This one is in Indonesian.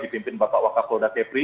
dipimpin bapak wakafolda kepri